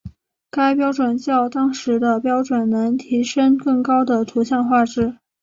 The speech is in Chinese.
该标准较当时的标准能提升更高的图像画质。